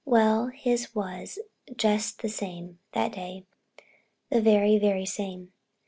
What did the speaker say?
Well, his was just the same, that day. The very, very same.